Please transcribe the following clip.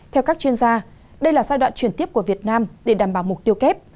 theo các chuyên gia đây là giai đoạn chuyển tiếp của việt nam để đảm bảo mục tiêu kép